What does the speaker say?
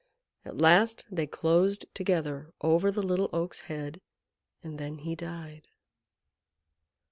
At last they closed together over the Little Oak's head, and then he died.